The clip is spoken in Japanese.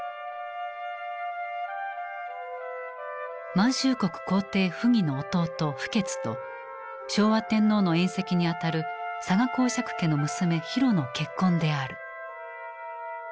満州国皇帝溥儀の弟溥傑と昭和天皇の縁戚にあたる嵯峨侯爵家の娘浩の結婚である。